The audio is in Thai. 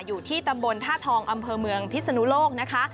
อยู่ที่ตำบลท่าทองอำเภอเมืองพิศนุโลกนะคะ